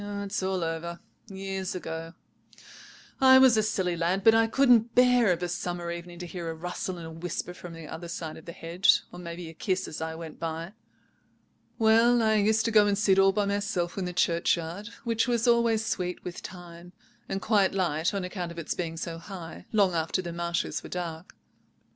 It's all over, years ago. I was a silly lad; but I couldn't bear of a summer evening to hear a rustle and a whisper from the other side of the hedge, or maybe a kiss as I went by. "Well, I used to go and sit all by myself in the churchyard, which was always sweet with thyme, and quite light (on account of its being so high) long after the marshes were dark.